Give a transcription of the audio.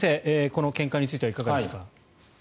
この見解についてはいかがですか。